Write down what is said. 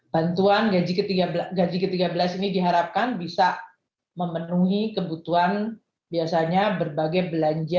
bantuan gaji ke tiga belas ini diharapkan bisa memenuhi kebutuhan biasanya berbagai belanja